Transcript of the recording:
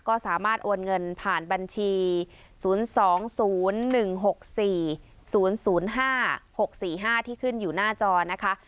ก็สามารถโอนเงินผ่านบัญชี๐๒๐๑๖๔๐๐๕๖๔๕ที่ขึ้นอยู่หน้าจอนะคะ